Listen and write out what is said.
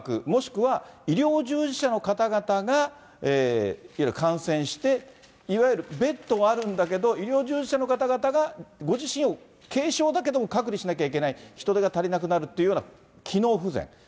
もしくは、医療従事者の方々がいわゆる感染して、いわゆるベッドはあるんだけど、医療従事者の方々が、ご自身を軽症だけども隔離しなきゃいけない、人手が足りなくなるっていうような機能不全。